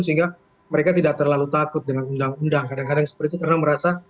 sehingga mereka tidak terlalu takut dengan undang undang kadang kadang seperti itu karena merasa